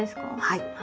はい。